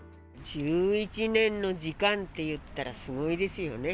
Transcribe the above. １１年の時間っていったらすごいですよね。